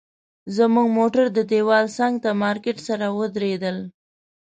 زموږ موټر د دیوال څنګ ته مارکیټ سره ودرېدل.